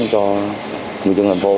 cho người dân thành phố